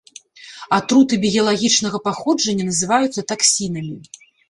Атруты біялагічнага паходжання называюцца таксінамі.